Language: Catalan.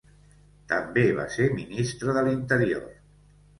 També va ser ministre de l'Interior.